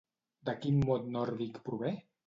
De quin mot nòrdic prové?